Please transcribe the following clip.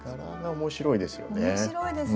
面白いですね。